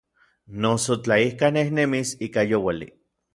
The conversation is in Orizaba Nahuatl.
Noso tla ikaj nejnemis ika youali.